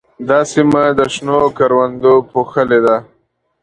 دا سیمه د شنو کروندو پوښلې ده.